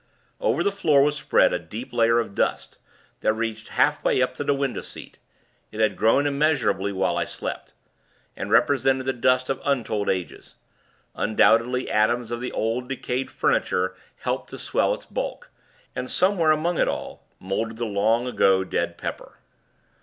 Over the floor was spread a deep layer of dust, that reached half way up to the window seat. It had grown immeasurably, whilst I slept; and represented the dust of untold ages. Undoubtedly, atoms of the old, decayed furniture helped to swell its bulk; and, somewhere among it all, mouldered the long ago dead Pepper.